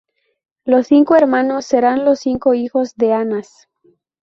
Los cinco hermanos serán los cinco hijos de Anás.